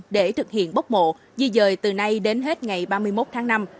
để thực hiện bốc mộ di dời từ nay đến hết ngày ba mươi một tháng năm